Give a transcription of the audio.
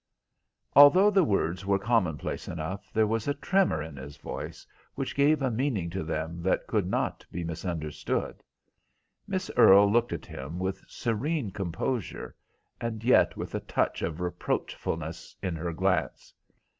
Although the words were commonplace enough, there was a tremor in his voice which gave a meaning to them that could not be misunderstood. Miss Earle looked at him with serene composure, and yet with a touch of reproachfulness in her glance.